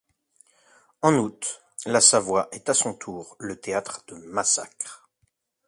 En août, la Savoie est à son tour le théâtre de massacre.